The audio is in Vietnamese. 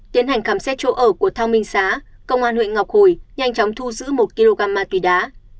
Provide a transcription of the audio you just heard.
tiến hành khám xét chỗ ở của thao minh xá công an huyện ngọc hồi nhanh chóng thu giữ một kg ma túy đá